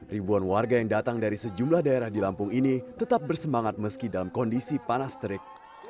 ribuan warga yang datang dari sejumlah daerah di lampung ini tetap bersemangat meski dalam kondisi panas terik